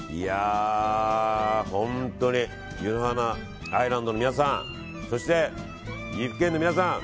本当に湯の華アイランドの皆さんそして岐阜県の皆さん